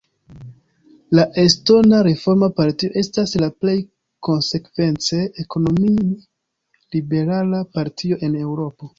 La Estona Reforma Partio estas la plej konsekvence ekonomi-liberala partio en Eŭropo.